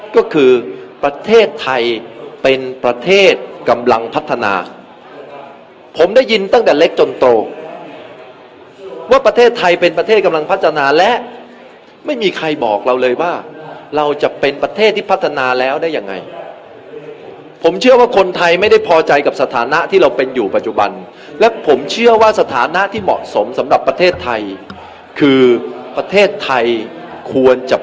ก็คือประเทศไทยเป็นประเทศกำลังพัฒนาผมได้ยินตั้งแต่เล็กจนโตว่าประเทศไทยเป็นประเทศกำลังพัฒนาและไม่มีใครบอกเราเลยว่าเราจะเป็นประเทศที่พัฒนาแล้วได้ยังไงผมเชื่อว่าคนไทยไม่ได้พอใจกับสถานะที่เราเป็นอยู่ปัจจุบันและผมเชื่อว่าสถานะที่เหมาะสมสำหรับประเทศไทยคือประเทศไทยควรจะ